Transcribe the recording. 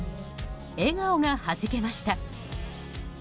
笑顔がはじけました。